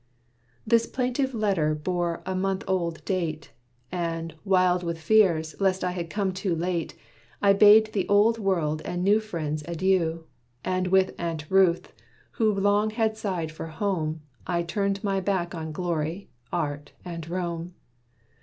This plaintive letter bore a month old date; And, wild with fears lest I had come too late, I bade the old world and new friends adieu. And with Aunt Ruth, who long had sighed for home, I turned my back on glory, art, and Rome.